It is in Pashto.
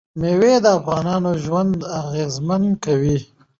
مېوې د افغانانو ژوند اغېزمن کوي.